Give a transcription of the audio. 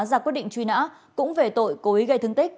ra quyết định truy nã cũng về tội cố ý gây thương tích